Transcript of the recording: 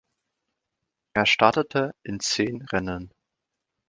Er startete in zehn Rennen.